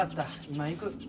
今行く。